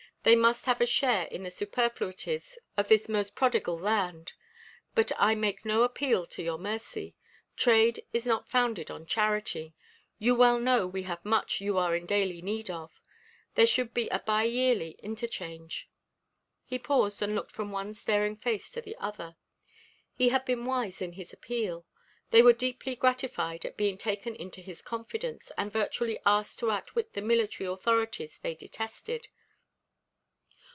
They must have a share in the superfluities of this most prodigal land. But I make no appeal to your mercy. Trade is not founded on charity. You well know we have much you are in daily need of. There should be a bi yearly interchange." He paused and looked from one staring face to the other. He had been wise in his appeal. They were deeply gratified at being taken into his confidence and virtually asked to outwit the military authorities they detested.